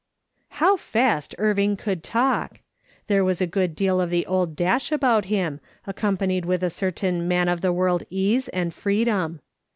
How fast Irving could talk ! There was a good deal of the old dash about him, accompanied with a certain man of the world case and freedom.